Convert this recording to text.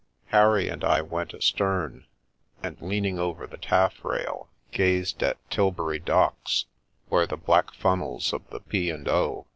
Harry and I went astern, and leaning over the taffrail, gazed at Til bury Docks, where the black funnels of the P. & O.